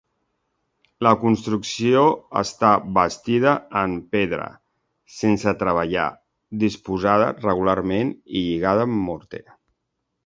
La construcció està bastida en pedra sense treballar disposada regularment i lligada amb morter.